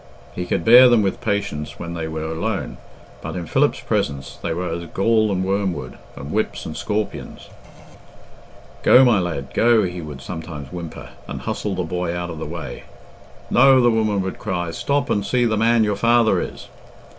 He could bear them with patience when they were alone, but in Philip's presence they were as gall and wormwood, and whips and scorpions. "Go, my lad, go," he would sometimes whimper, and hustle the boy out of the way. "No," the woman would cry, "stop and see the man your father is."